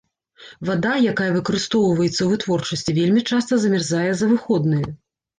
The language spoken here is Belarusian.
Вада, якая выкарыстоўваецца ў вытворчасці, вельмі часта замярзае за выходныя.